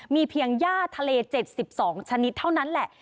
มีเพียงย่าทะเล๗๒ชนิดเท่านั้นแหละ